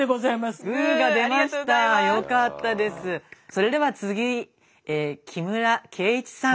それでは次木村敬一さん。